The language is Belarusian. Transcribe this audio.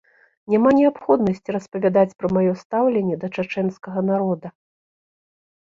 Няма неабходнасці распавядаць пра маё стаўленне да чачэнскага народа.